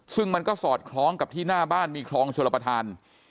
ซึ่งมันก็สอดคล้องกับที่หน้าบ้านมีคลองชลประธาน